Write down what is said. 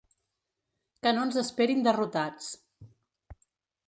Que no ens esperin derrotats.